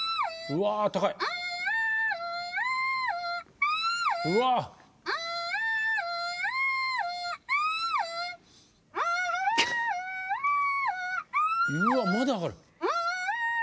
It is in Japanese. うわまだ上がる。